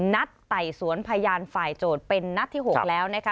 ไต่สวนพยานฝ่ายโจทย์เป็นนัดที่๖แล้วนะคะ